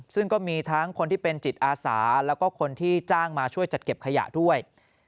ซึ่งก็มีทั้งคนที่เป็นจิตอาสาแล้วก็คนที่จ้างมาช่วยจัดเก็บขยะด้วย